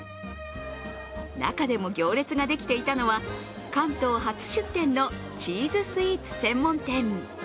中でも行列ができていたのは関東初出店のチーズスイーツ専門店。